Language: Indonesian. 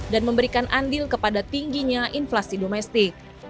dan memberikan andil kepada tingginya inflasi